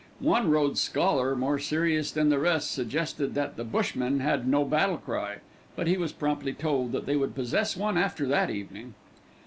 One Rhodes scholar, more serious than the rest, suggested that the Bushmen had no battle cry; but he was promptly told that they would possess one after that evening.